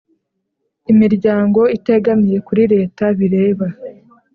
Imiryango itegamiye kuri Leta bireba